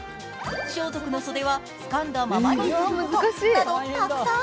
装束の袖はつかんだままにすることなど、たくさん。